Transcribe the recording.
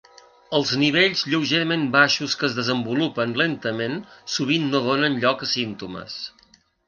Els nivells lleugerament baixos que es desenvolupen lentament sovint no donen lloc a símptomes.